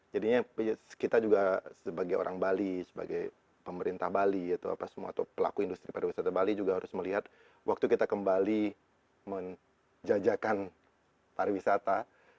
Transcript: jadinya kita juga sebagai orang bali sebagai pemerintah bali atau apa semua atau pelaku industri pariwisata bali juga harus melihat waktu kita kembali menjajakan pariwisata